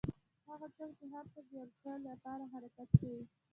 هغه څوک چې هره ورځ د یو څه لپاره حرکت کوي.